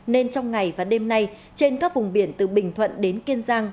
nên trong ngày và đêm nay trên các vùng biển từ bình thuận đến kiên giang